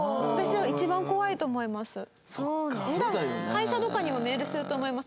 会社とかにもメールすると思います。